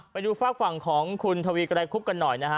ไปดูฝากฝั่งของคุณทวีไกรคุบกันหน่อยนะฮะ